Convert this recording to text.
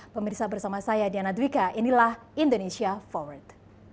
pemirsa bersama saya diana dwika inilah indonesia forward